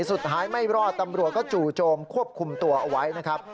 สุดท้ายไม่รอดตำรวจก็จู่โจมควบคุมตัวเอาไว้นะครับ